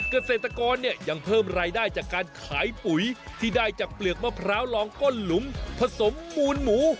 เกษตรกรเนี่ยยังเพิ่มรายได้จากการขายปุ๋ยที่ได้จากเปลือกมะพร้าวลองก้นหลุมผสมมูลหมู